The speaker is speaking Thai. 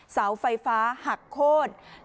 เสาไฟฟ้าหักโค้น